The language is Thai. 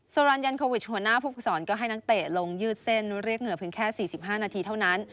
สรรยันโควิชหัวหน้าผู้ฝึกศรก็ให้นักเตะลงยืดเส้นเรียกเหงื่อเพียงแค่๔๕นาทีเท่านั้น